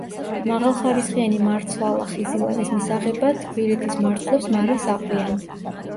მაღალხარისხიანი მარცვალა ხიზილალის მისაღებად ქვირითის მარცვლებს მარილს აყრიან.